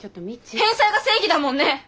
返済が正義だもんね！